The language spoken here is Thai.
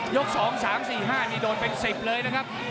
ยก๒๓๔๕โดนเป็น๑๐เลยนะครับ